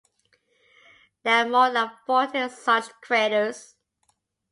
There are more than forty such craters.